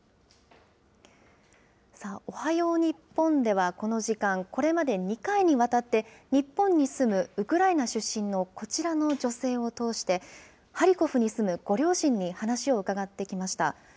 おはよう日本ではこの時間、これまで２回にわたって、日本に住むウクライナ出身のこちらの女性を通して、ハリコフに住むご両親に話を伺ってきました。